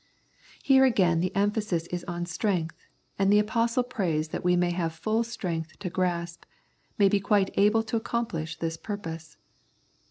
Here again the emphasis is on strength, and the Apostle prays that we may have full strength to grasp, may be quite able to accomplish this purpose.